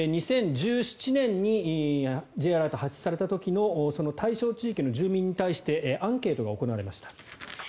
２０１７年にＪアラートが発出された対象地域の住民に対してアンケートが行われました。